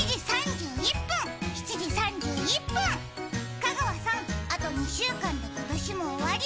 香川さん、あと２週間で今年も終わり。